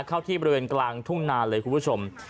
เข้าที่บริเวณกลางทุ่งนาเลยคุณผู้ชม